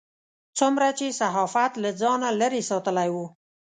څومره چې صحافت له ځانه لرې ساتلی و.